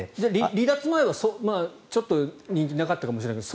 離脱前はちょっと人気なかったかもしれないけど